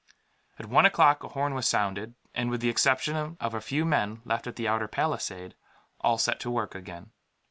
At one o'clock a horn was sounded and, with the exception of a few men left at the outer palisade, all set to work again.